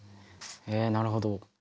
へえなるほど。